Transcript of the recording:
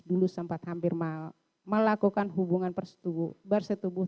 dulu sempat hampir melakukan hubungan bersetubuh